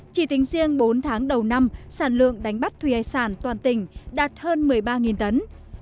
chỉ tính riêng bốn tháng đầu năm sản lượng đánh bắt thủy hải sản toàn tỉnh đạt hơn một mươi ba tấn